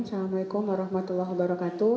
assalamu'alaikum warahmatullahi wabarakatuh